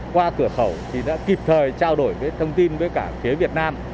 qua cửa khẩu thì đã kịp thời trao đổi thông tin với cả phía việt nam